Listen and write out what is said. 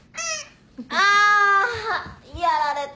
あやられた。